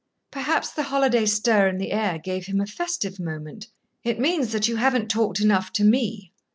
Perhaps the holiday stir in the air gave him a festive moment. "It means that you haven't talked enough to me.